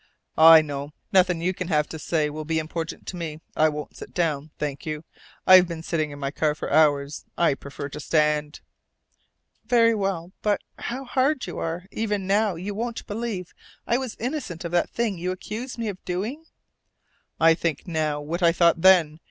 "I know. Nothing you can have to say will be important to me. I won't sit down, thank you. I've been sitting in my car for hours. I prefer to stand." "Very well. But how hard you are! Even now, you won't believe I was innocent of that thing you accused me of doing?" "I think now what I thought then.